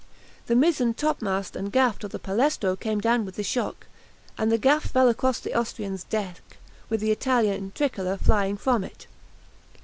The mizzen topmast and gaff of the "Palestro" came down with the shock, and the gaff fell across the Austrian's deck, with the Italian tricolour flying from it.